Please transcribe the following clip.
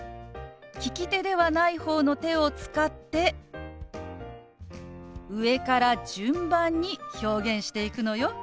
利き手ではない方の手を使って上から順番に表現していくのよ。